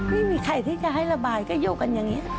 ไม่มีใครที่จะให้ระบายก็อยู่กันอย่างนี้